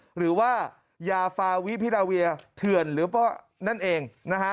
หรือว่ายาฟาวิพิราเวียเถื่อนหรือว่านั่นเองนะฮะ